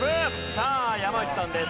さあ山内さんです。